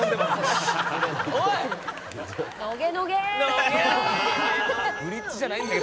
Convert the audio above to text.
おい！